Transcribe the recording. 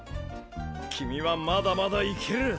君はまだまだいける。